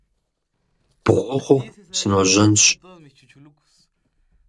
Бгъу хъуху сыножьэнщ.